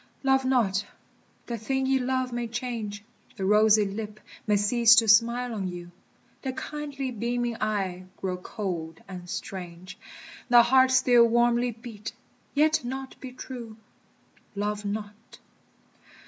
Love not! the thing ye love may change; The rosy lip may cease to smile on you, The kindly beaming eye grow cold and strange, The heart still warmly beat, yet not be true. Love not!